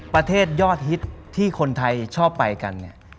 ประเทศยอดฮิตที่คนไทยชอบไปกันเนี่ย